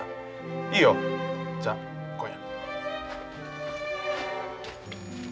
いいよ。じゃあ今夜。